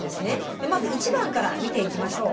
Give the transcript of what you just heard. まず１番から見ていきましょう。